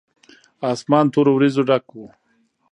اسمان تورو وريځو ډک و.